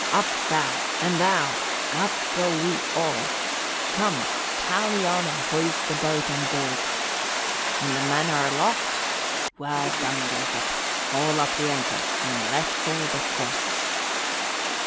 Up, thou! And thou! Up go we all! Come, tally on and hoist the boat on board! And the men are aloft? Well done, Jacob! Haul up the anchor and let fall the courses!"